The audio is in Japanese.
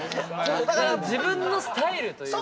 自分のスタイルというか。